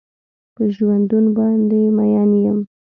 په ژوندون باندې مين يم.